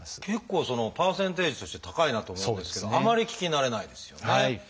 結構パーセンテージとして高いなと思うんですけどあまり聞き慣れないですよね。